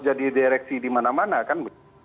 jadi direksi di mana mana kan